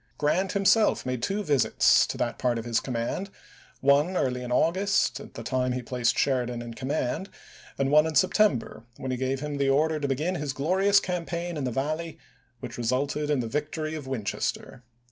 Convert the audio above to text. Grant himself made two visits to that part of his command ; one early in August, i8<a. at the time he placed Sheridan in command, and one in September, when he gave him the order to begin his glorious campaign in the Valley, which resulted in the victory of Winchester.